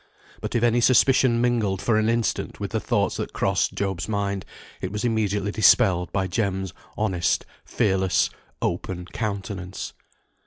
But if any suspicion mingled for an instant with the thoughts that crossed Job's mind, it was immediately dispelled by Jem's honest, fearless, open countenance.